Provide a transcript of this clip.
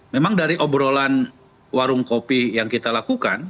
memang dari obrolan warung kopi yang kita lakukan